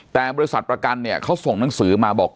แต่บริษัทประกันเนี่ยเขาส่งหนังสือมาบอก